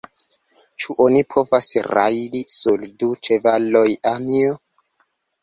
Ĉu oni povas rajdi sur du ĉevaloj, Anjo?